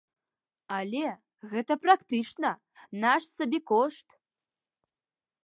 Але гэта практычна наш сабекошт.